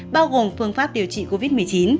bao gồm phương pháp điều trị covid một mươi chín